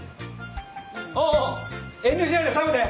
おうおう遠慮しないで食べて。